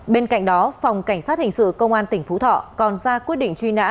bên cạnh đó phòng cảnh sát hình sự công an tỉnh phú thọ còn ra quyết định truy nã